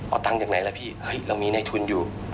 เอาตังค์จากไหนล่ะพี่เรามีในทุนอยู่